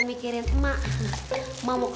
ih ilah dasar